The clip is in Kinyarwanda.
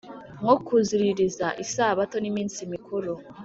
nko kuziririza isabato n iminsi mikuru